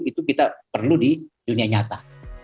itu kita perlu di dunia nyata